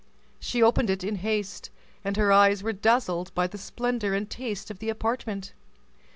She opened it in haste, and her eyes were dazzled by the splendor and taste of the apartment.